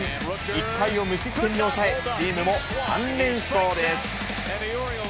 １回を無失点に抑え、チームも３連勝です。